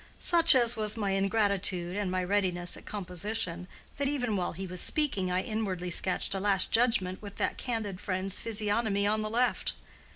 Such was my ingratitude and my readiness at composition, that even while he was speaking I inwardly sketched a Last Judgment with that candid friend's physiognomy on the left.